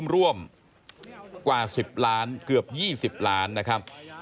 ร่วมกว่า๑๐ล้านเกือบ๒๐ล้านนะครับ